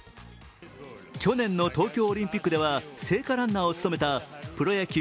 去年の東京オリンピックでは聖火ランナーを務めたプロ野球